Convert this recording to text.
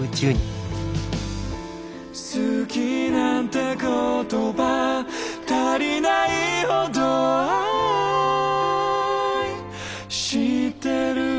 「好きなんて言葉足りないほど愛してる」